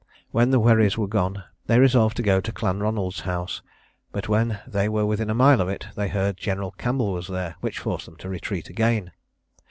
When the wherries were gone, they resolved to go to Clanronald's house; but when they were within a mile of it, they heard General Campbell was there, which forced them to, retreat again.